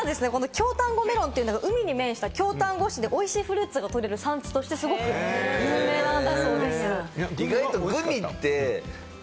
ただですね、京たんごメロンというのは、海に面した京丹後でおいしいフルーツがとれる産地として有名なんだそうです。